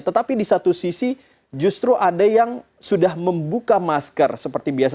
tetapi di satu sisi justru ada yang sudah membuka masker seperti biasa